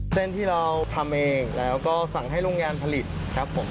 เส้นที่เราทำเองแล้วก็สั่งให้โรงงานผลิตครับผม